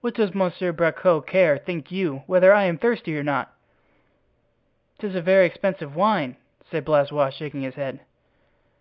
What does Monsieur Bracieux care, think you, whether I am thirsty or not?" "'Tis a very expensive wine," said Blaisois, shaking his head.